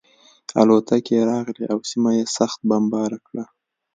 الوتکې راغلې او سیمه یې سخته بمبار کړه